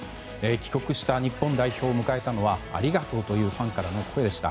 帰国した日本代表を迎えたのはありがとうというファンからの声でした。